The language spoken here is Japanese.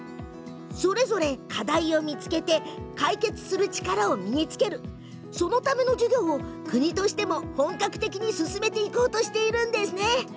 それぞれ課題を見つけて解決する力を身につけるための授業を国としても本格的に進めていこうとしているんです。